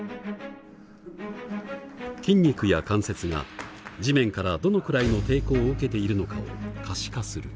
筋肉や関節が地面からどのくらいの抵抗を受けているのかを可視化する。